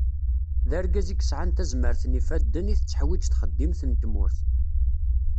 D argaz i yesεan tazmert n yifadden i tetteḥwiğ txeddimt n tmurt.